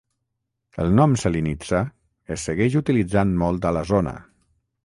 El nom "Selinitsa" es segueix utilitzant molt a la zona.